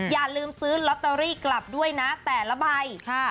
อย่าลืมซื้อลอตเตอรี่กลับด้วยนะแต่ละใบ